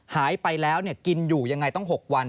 หายไปแล้วกินอยู่ยังไงต้อง๖วัน